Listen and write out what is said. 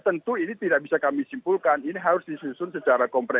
tentu ini tidak bisa kami simpulkan ini harus disusun secara komprehensi